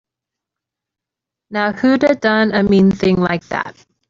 Now who'da done a mean thing like that?